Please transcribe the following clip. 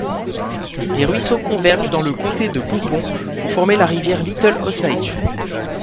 Les ruisseaux convergent dans le Comté de Bourbon pour former la rivière Little Osage.